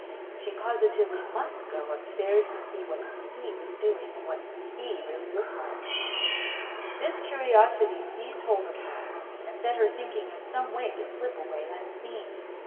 She positively must go up stairs and see what He was doing and what He really looked like. This curiosity seized hold of her and set her thinking of some way to slip away unseen.